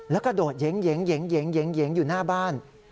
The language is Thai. แล้วก็โดดเย็งอยู่หน้าบ้าน